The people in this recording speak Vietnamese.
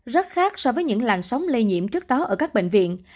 rất khác so với những làn sóng lây nhiễm trước đó ở các bệnh viện